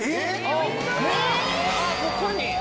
ここに！